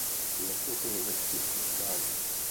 Nastoupil ve čtyřech utkáních.